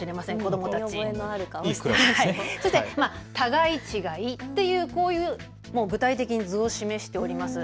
そして互い違いというこういう具体的な図を示しております。